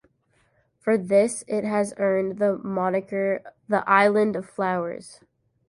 For this it has earned the moniker the "island of flowers".